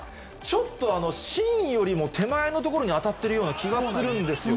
ちょっと芯よりも手前の所に当たっているような気がするんですよね。